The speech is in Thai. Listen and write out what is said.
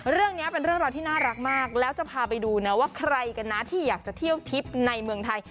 เรื่องราวที่น่ารักมากแล้วจะพาไปดูนะว่าใครกันนะที่อยากจะเที่ยวทิพย์ในเมืองไทย